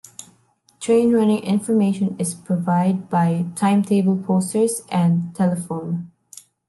Train running information is provide by timetable posters and telephone.